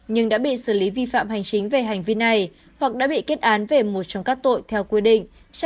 nhưng đã bị xử lý vi phạm hành chính về hành vi này hoặc đã bị kết án về một trong các tội theo quy định